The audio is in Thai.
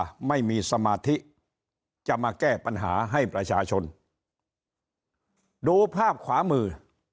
ว่าไม่มีสมาธิจะมาแก้ปัญหาให้ประชาชนดูภาพขวามือ